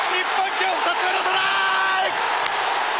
今日２つ目のトライ！